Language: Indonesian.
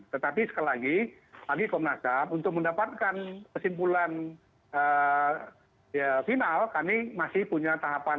tetapi sekali lagi komnas ham untuk mendapatkan kesimpulan final kami masih punya tahapan